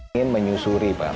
ingin menyusuri pak